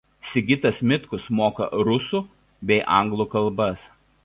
Sigitas Mitkus moka rusų bei anglų kalbas.